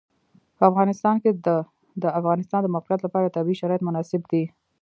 په افغانستان کې د د افغانستان د موقعیت لپاره طبیعي شرایط مناسب دي.